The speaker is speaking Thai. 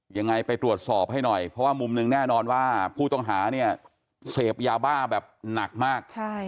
ยังไงไปตรวจสอบให้หน่อยเพราะว่ามุมหนึ่งแน่นอนว่าผู้ต้องหาเนี่ยเสพยาบ้าแบบหนักมาก